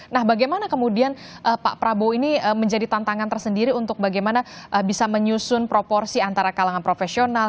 nah bagaimana kemudian pak prabowo ini menjadi tantangan tersendiri untuk bagaimana bisa menyusun proporsi antara kalangan profesional